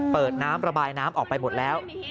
เปิดน้ำระบายน้ำออกไปหมดแล้ว